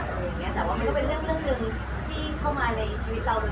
แต่ว่ามันก็เป็นเรื่องหนึ่งที่เข้ามาในชีวิตเรานึง